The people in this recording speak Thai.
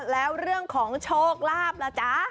แล้วเรื่องของโชคลาภล่ะจ๊ะ